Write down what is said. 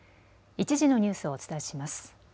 １時のニュースをお伝えします。